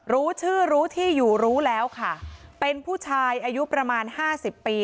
รู้ชื่อรู้ที่อยู่รู้แล้วค่ะเป็นผู้ชายอายุประมาณห้าสิบปี